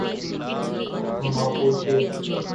Mapuche